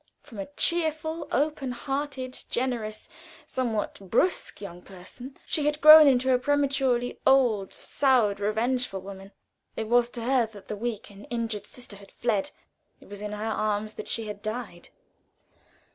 From a cheerful, open hearted, generous, somewhat brusque young person, she had grown into a prematurely old, soured, revengeful woman. It was to her that the weak and injured sister had fled; it was in her arms that she had died.